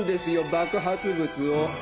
爆発物を。